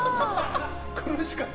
苦しかった？